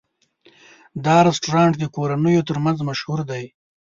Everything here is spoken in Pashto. دا رستورانت د کورنیو تر منځ مشهور دی.